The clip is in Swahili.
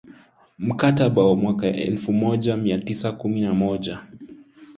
mkataba wa mwaka elfu moja mia tisa kumi na moja